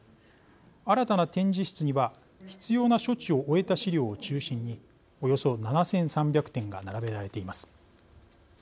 新たな展示室には必要な処置を終えた資料を中心におよそ７３００点が並べられています。